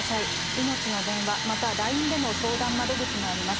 いのちの電話、またＬＩＮＥでの相談窓口もあります。